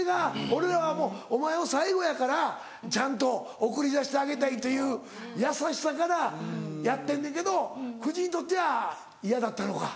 俺はもうお前最後やからちゃんと送り出してあげたいという優しさからやってんねんけど久慈にとっては嫌だったのか。